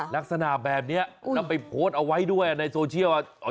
ลักษณะแบบนี้แล้วไปโพสต์เอาไว้ด้วยในโซเชียล